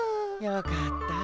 よかった。